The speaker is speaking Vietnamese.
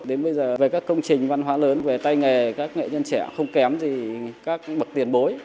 đến bây giờ về các công trình văn hóa lớn về tay nghề các nghệ nhân trẻ không kém gì các bậc tiền bối